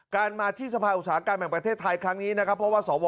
การมาที่สภาอุตสาหกรรมแห่งประเทศไทยครั้งนี้นะครับเพราะว่าสว